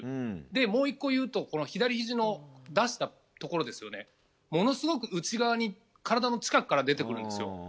もう１個言うと左ひじを出したところものすごく内側に体の近くから出てくるんですよ。